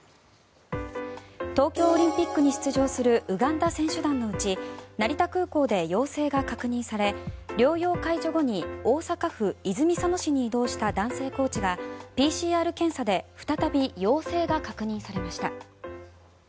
東京オリンピックに出場するウガンダ選手団のうち成田空港で陽性が確認され療養解除後に大阪府泉佐野市に移動した男性コーチがＰＣＲ検査で再び陽性が確認されました。